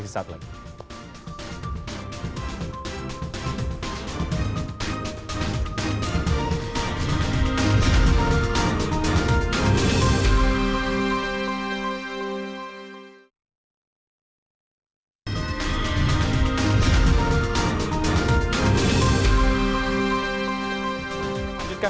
di saat lain